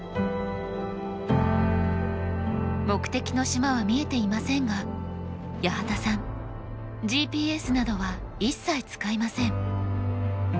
目的の島は見えていませんが八幡さんＧＰＳなどは一切使いません。